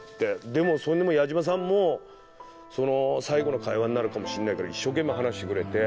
でもうそれでも矢島さんも最後の会話になるかもしれないから一生懸命話してくれて。